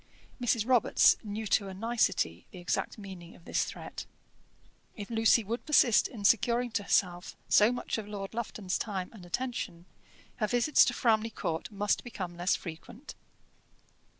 Mrs. Robarts knew to a nicety the exact meaning of this threat. If Lucy would persist in securing to herself so much of Lord Lufton's time and attention, her visits to Framley Court must become less frequent.